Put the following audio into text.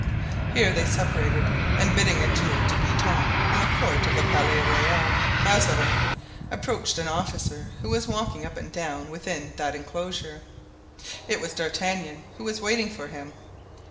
Here they separated and bidding adieu to Guitant in the court of the Palais Royal, Mazarin approached an officer who was walking up and down within that inclosure. It was D'Artagnan, who was waiting for him.